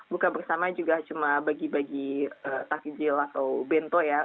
buka bersama juga cuma bagi bagi takjil atau bento ya